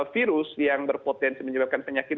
virus yang berpotensi menyebabkan penyakit